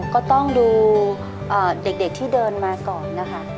ก็ต้องดูเด็กที่เดินมาก่อนนะคะ